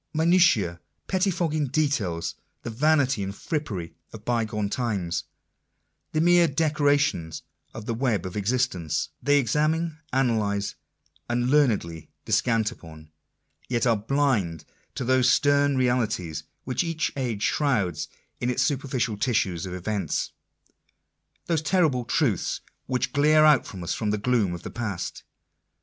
Minutiae, pettifogging details, the vanity and frippery of bygone times, the mere decorations of the web of existence, they examine, analyze, and learnedly descant upon ; yet are blind to those stern realities which each age shrouds in its superficial tissue of events — those terrible truths which glare out upon us from the gloom of the past.